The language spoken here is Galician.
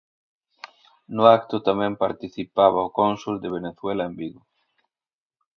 No acto tamén participaba o cónsul de Venezuela en Vigo.